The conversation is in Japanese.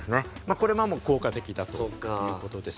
これが効果的だということです。